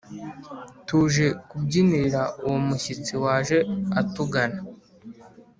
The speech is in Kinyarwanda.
tuje kubyinirira uwo mushyitsi waje atugana